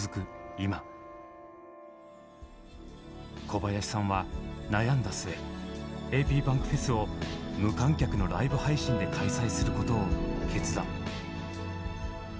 今小林さんは悩んだ末ａｐｂａｎｋｆｅｓを無観客のライブ配信で開催することを決断。